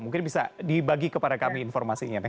mungkin bisa dibagi kepada kami informasinya